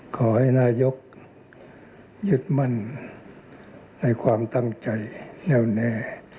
ขอให้นายกยึดมั่นในความตั้งใจแนวแน่